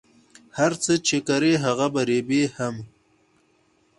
هر څه چی کری هغه به ریبی هم